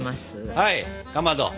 はいかまど！